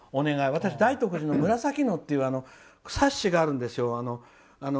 私大徳寺の紫野っていう冊子があるんですよ。